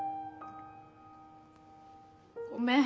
ごめん。